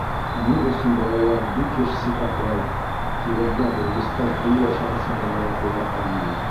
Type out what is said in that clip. Ни өсөн балалар бик йыш сиҡаҡлай, тигәнгә белгестәр тулы ышаныс менән яуап бирә алмай.